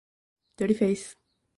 Dirty Face!